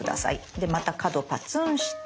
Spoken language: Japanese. でまた角パツンして。